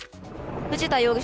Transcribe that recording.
藤田容疑者